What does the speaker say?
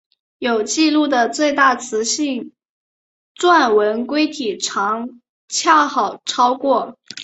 有纪录的最大雌性钻纹龟体长恰好超过。